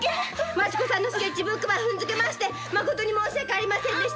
「マチ子さんのスケッチブックば踏んづけましてまことに申し訳ありませんでした」って！